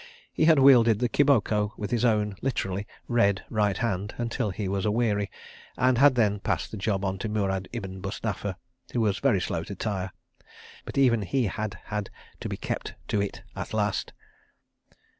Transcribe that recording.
He had wielded the kiboko with his own (literally) red right hand until he was aweary, and had then passed the job on to Murad ibn Mustapha, who was very slow to tire. But even he had had to be kept to it at last.